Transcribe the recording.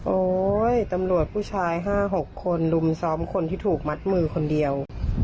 ตำรวจผู้ชาย๕๖คนรุมซ้อมคนที่ถูกมัดมือคนเดียว